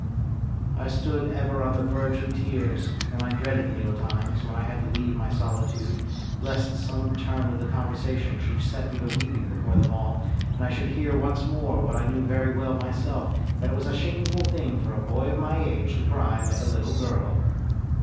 I stood ever on the verge of tears, and I dreaded meal times, when I had to leave my solitude, lest some turn of the conversation should set me weeping before them all, and I should hear once more what I knew very well myself, that it was a shameful thing for a boy of my age to cry like a little girl.